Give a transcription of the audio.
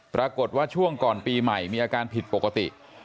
ปรากฏว่าช่วงก่อนปีใหม่มีอาการผิดปกติ